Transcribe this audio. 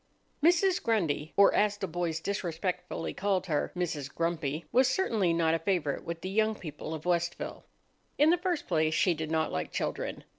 * Mrs. Grundy (or, as the boys disrespectfully called her, Mrs. Grumpy) was certainly not a favourite with the young people of Westville. In the first place, she did not like children.